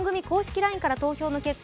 ＬＩＮＥから投票の結果